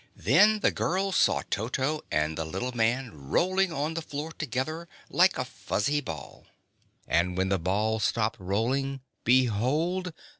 Then the girl saw Toto and the little man rolling on the floor together, like a fuzzy ball, and when the ball stopped rolling, behold!